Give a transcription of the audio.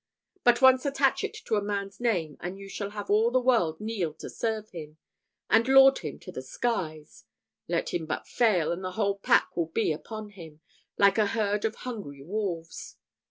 But once attach it to a man's name, and you shall have all the world kneel to serve him, and laud him to the skies let him but fail, and the whole pack will be upon him, like a herd of hungry wolves.